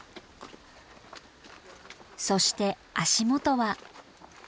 そして足元は。